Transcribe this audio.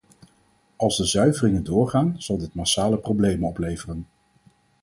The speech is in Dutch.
Als de zuiveringen doorgaan, zal dit massale problemen opleveren.